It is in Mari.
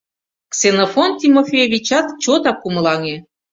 — Ксенофонт Тимофеевичат чотак кумылаҥе.